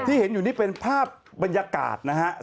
เห็นอยู่นี่เป็นภาพบรรยากาศนะครับ